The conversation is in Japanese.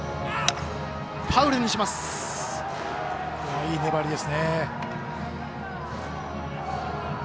いい粘りですね。